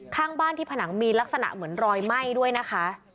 ข้างบ้านที่ผนังมีลักษณะเหมือนรอยไหม้ด้วยนะคะ